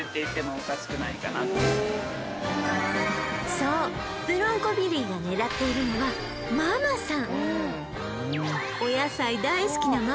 そうブロンコビリーが狙っているのはママさん